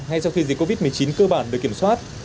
ngay sau khi dịch covid một mươi chín cơ bản được kiểm soát